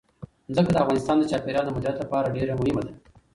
ځمکه د افغانستان د چاپیریال د مدیریت لپاره ډېر مهم دي.